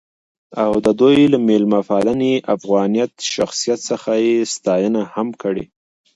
او د دوي له میلمه پالنې ،افغانيت ،شخصیت څخه يې ستاينه هم کړې.